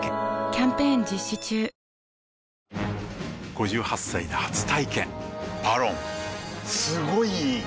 ５８歳で初体験「ＶＡＲＯＮ」すごい良い！